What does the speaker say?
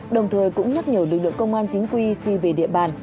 đồng thời cũng nhắc nhở lực lượng công an chính quy khi về địa bàn